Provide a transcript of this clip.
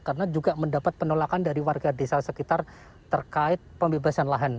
karena juga mendapat penolakan dari warga desa sekitar terkait pembebasan lahan